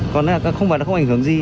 còn không phải nó không ảnh hưởng gì